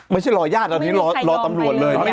ไม่ใช่รอญาติรอตำรวจเลย